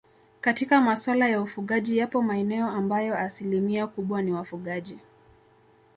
Katika maswala ya ufugaji yapo maeneo ambayo asilimia kubwa ni wafugaji